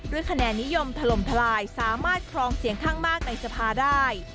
คะแนนนิยมถล่มทลายสามารถครองเสียงข้างมากในสภาได้